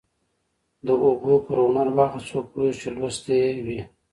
د هوګو پر هنر به هغه څوک پوهېږي چې لوستی يې وي.